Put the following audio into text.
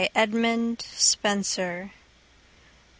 Edmund Spenser 79.